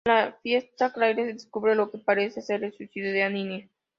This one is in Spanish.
En la fiesta, Claire descubre lo que parece ser el suicidio de Annie.